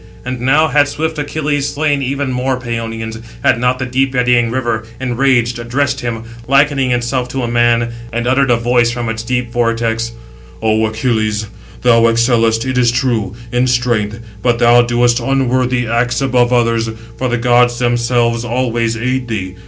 And now had swift Achilles slain even more Pæonians, had not the deep eddying River, enraged, addressed him, likening itself to a man, and uttered a voice from its deep vortex: "O Achilles, thou excellest, it is true, in strength, but thou doest unworthy acts above [others], for the gods themselves always aid thee.